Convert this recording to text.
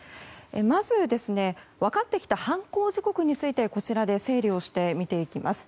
まず、分かってきた犯行時刻についてこちらで整理をして見ていきます。